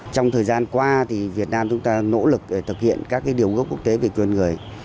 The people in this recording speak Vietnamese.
trong thời gian qua thì việt nam chúng ta nỗ lực để thực hiện các điều gốc quốc tế về quyền người